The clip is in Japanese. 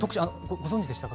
ご存じでしたか？